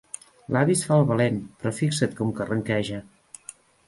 L'avi es fa el valent, però fixa't com carranqueja.